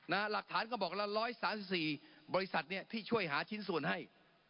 หลักฐานก็บอกละ๑๓๔บริษัทเนี่ยที่ช่วยหาชิ้นส่วนให้